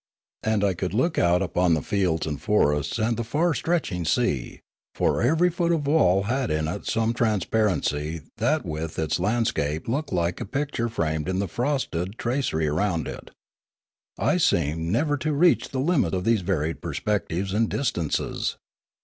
And I could look out upon the fields and forests and the far stretching sea; for every foot of wall had in it some transparency that with its landscape stood like a picture framed in the frosted tracery around it. I seemed never to reach the limit of these varied perspectives and distances.